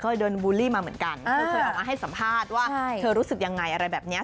เคยเดินบูลลี่มาเหมือนกันเธอเคยออกมาให้สัมภาษณ์ว่าเธอรู้สึกยังไงอะไรแบบนี้